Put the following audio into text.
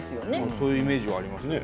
そういうイメージはありますね。